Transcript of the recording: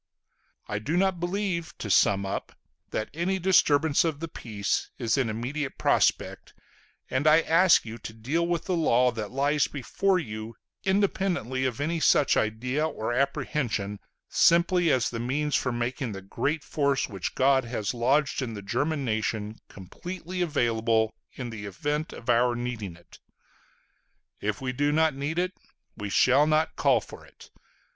I do not believe to sum up that any disturbance of the peace is in immediate prospect; and I ask you to deal with the law that lies before you, independently of any such idea or apprehension, simply as a means for making the great force which God has lodged in the German nation completely available in the event of our needing it. If we do not need it, we shall not call for it.